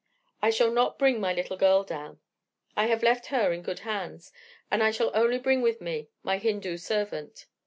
I shall not bring my little girl down; I have left her in good hands, and I shall only bring with me my Hindoo servant.